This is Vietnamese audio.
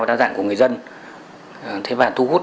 đa dạng của người dân thế và thu hút